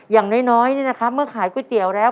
อย่างน้อยเนี่ยนะครับเมื่อขายก๋วยเตี๋ยวแล้ว